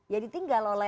ya ditinggal oleh